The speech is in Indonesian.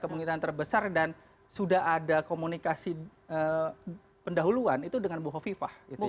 kemungkinan terbesar dan sudah ada komunikasi pendahuluan itu dengan bhova viva gitu ya